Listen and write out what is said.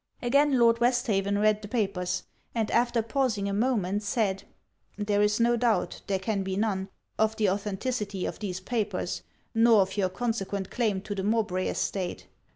Again Lord Westhaven read the papers; and after pausing a moment said 'There is no doubt, there can be none, of the authenticity of these papers, nor of your consequent claim to the Mowbray estate.